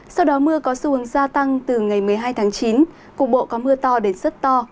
sau đó mưa có xu hướng gia tăng từ ngày một mươi hai tháng chín cục bộ có mưa to đến rất to